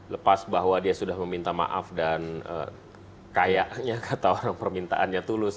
lepas bahwa dia sudah meminta maaf dan kayaknya kata orang permintaannya tulus